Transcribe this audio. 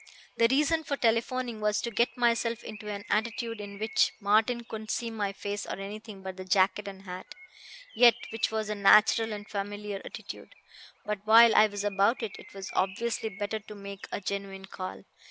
"The reason for telephoning was to get myself into an attitude in which Martin couldn't see my face or anything but the jacket and hat, yet which was a natural and familiar attitude. But while I was about it, it was obviously better to make a genuine call.